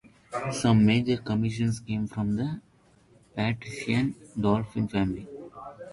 Some major commissions came from the patrician Dolfin family.